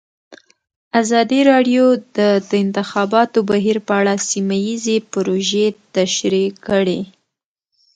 ازادي راډیو د د انتخاباتو بهیر په اړه سیمه ییزې پروژې تشریح کړې.